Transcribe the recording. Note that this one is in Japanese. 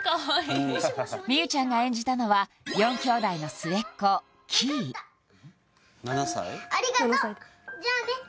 望結ちゃんが演じたのは４きょうだいの末っ子希衣ありがとっじゃあね